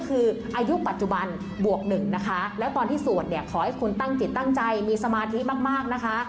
คืออายุปัจจุบันบวกหนึ่งนะคะแล้วตอนที่สวดเนี่ยขอให้คุณตั้งจิตตั้งใจมีสมาธิมากมากนะคะ